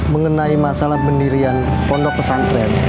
mengenai masalah pendirian pondok pesantren